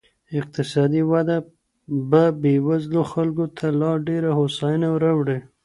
اقتصادي وده به بېوزلو خلګو ته لا ډېره هوساینه راوړي.